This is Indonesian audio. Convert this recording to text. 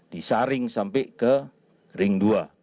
disaring sampai ke ring dua